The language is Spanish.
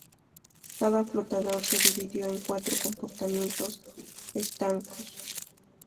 Cada flotador se dividió en cuatro compartimentos estancos.